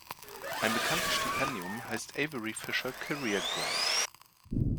Ein bekanntes Stipendium heißt "Avery Fisher Career Grant".